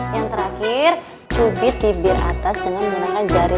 yang terakhir cubit bibir atas dengan menggunakan jari